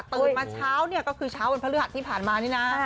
ตื่นมาเช้าเนี่ยก็คือเช้าวันพฤหัสที่ผ่านมานี่นะ